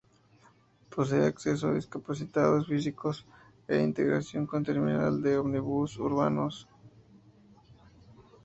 Posee acceso para discapacitados físicos e integración con terminal de ómnibus urbanos.